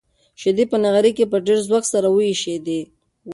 شيدې په نغري کې په ډېر زوږ سره وایشېدې.